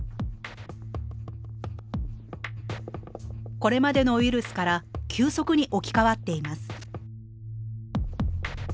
これまでのウイルスから急速に置き換わっています。